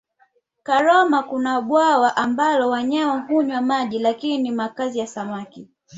karomo kuna bwawa ambalo wanyama hunywa maji lakini ni makazi ya samaki